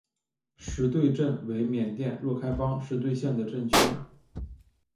实兑镇为缅甸若开邦实兑县的镇区。